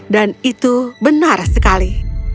dan itu benar sekali